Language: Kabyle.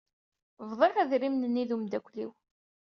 Bḍiɣ idrimen-nni d umdakel-iw.